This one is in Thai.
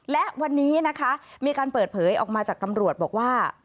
และวันนี้นะคะมีการเปิดเผยออกมาจากตำรวจบอกว่า